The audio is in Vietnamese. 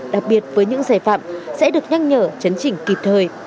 đặc biệt với những giải phạm sẽ được nhắc nhở chấn chỉnh kịp thời